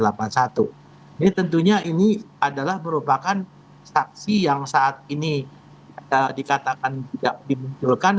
ini tentunya ini adalah merupakan saksi yang saat ini dikatakan tidak dimunculkan